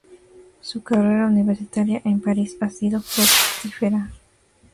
Su carrera universitaria en París ha sido fructífera.